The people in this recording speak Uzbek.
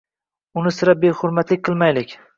Uni sira behurmatlik qilmaylik!